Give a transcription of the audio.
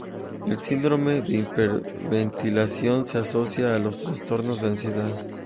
El síndrome de hiperventilación se asocia a los trastornos de ansiedad.